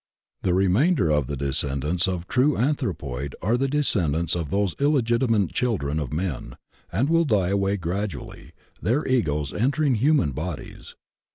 The remain der of the descendants of the true anthropoid are the descendants of those illegitimate children of men, and will die away gradually, their Egos entering human bodies.